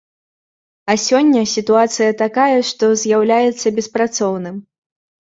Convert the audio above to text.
А сёння сітуацыя такая, што з'яўляецца беспрацоўным.